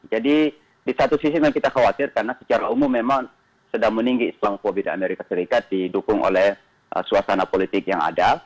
jadi di satu sisi memang kita khawatir karena secara umum memang sedang meninggi islamofobia di amerika serikat didukung oleh suasana politik yang ada